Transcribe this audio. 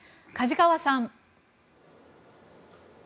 梶川さん。